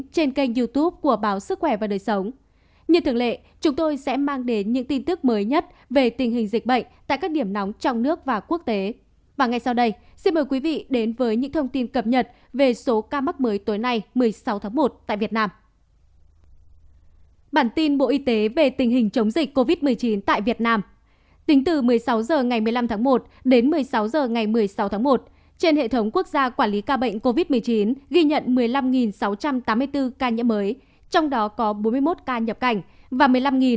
trên hệ thống quốc gia quản lý ca bệnh covid một mươi chín ghi nhận một mươi năm sáu trăm tám mươi bốn ca nhiễm mới trong đó có bốn mươi một ca nhập cảnh và một mươi năm sáu trăm bốn mươi ba ca ghi nhận trong nước đã giảm sáu trăm sáu mươi hai ca so với ngày trước đó tại sáu mươi một tỉnh thành phố có một mươi một một trăm chín mươi sáu ca trong cộng đồng